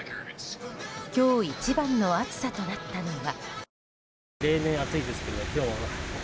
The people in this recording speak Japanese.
今日一番の暑さとなったのは。